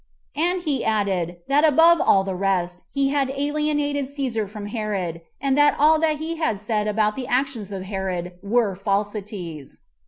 And he added, that above all the rest he had alienated Cæsar from Herod, and that all that he had said about the actions of Herod were falsities.